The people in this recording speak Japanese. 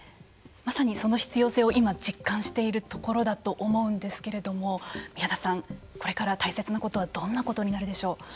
まさにその必要性を今、実感しているところだと思うんですけれども宮田さん、これから大切なことはどんなことになるでしょう。